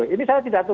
ini saya tidak tahu